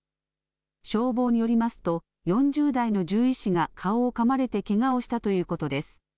消防によりますと４０代の獣医師が顔をかまれてけがをしたということです。